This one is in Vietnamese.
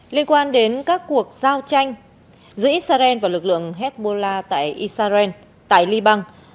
liên quan đến các cuộc giao tranh giữa israel và lực lượng hezbollah tại israel tại liban